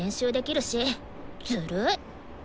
ずるい！